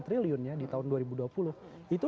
triliun ya di tahun dua ribu dua puluh itu